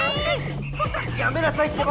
やめなさいってば！